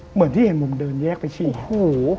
เหมือนที่เห็นผมเดินแยกไปฉี่โอ้โห